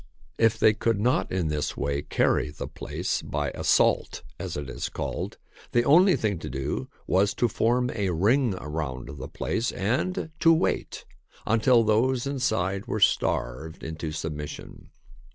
If they could not in this THE TAKING OF CITIES way carry the place, by " assault," as it is called, the only thing to do was to form a ring around the place and to wait until those inside were starved into submission.